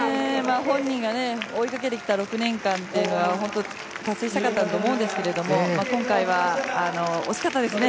本人が追いかけてきた６年間というのが本当、達成したかったと思うんですけど今回は惜しかったですね。